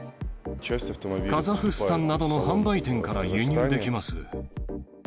カザフスタンなどの販売店から輸入できます。